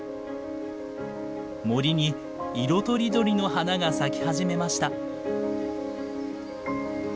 森に色とりどりの花が咲き始めました。